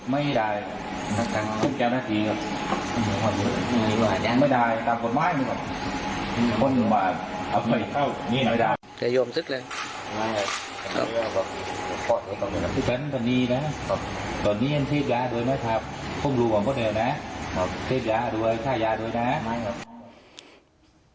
ไม่ได้ไม่ได้ตามกฎไม้พอต